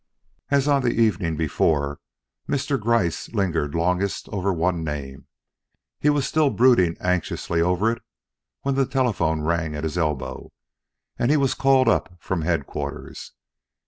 As on the evening before, Mr. Gryce lingered longest over one name. He was still brooding anxiously over it when the telephone rang at his elbow and he was called up from Headquarters.